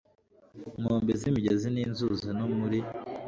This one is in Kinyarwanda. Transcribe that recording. nkombe z imigezi n inzuzi no muri